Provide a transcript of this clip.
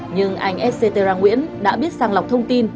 nhưng anh esetera nguyễn đã biết sàng lọc thông tin